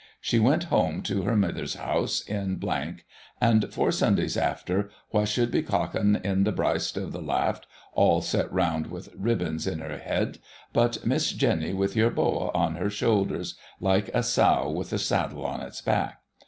She went home to her mithers house in , and four Sundays after, wha should be cocken in the breist of the laft, all set round with ribbons in her heed, but Miss Jeny with your Bowa on her shoulders, like a sow with a saddle on its back.